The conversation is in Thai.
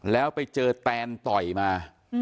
แล้วไปเจอแตนต่อยมา